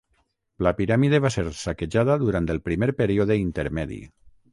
La piràmide va ser saquejada durant el Primer Període Intermedi.